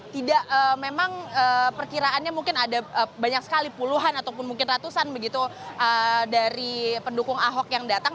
tidak memang perkiraannya mungkin ada banyak sekali puluhan ataupun mungkin ratusan begitu dari pendukung ahok yang datang